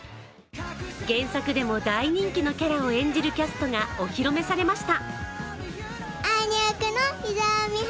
原作でも大人気のキャラを演じるキャストがお披露目されました。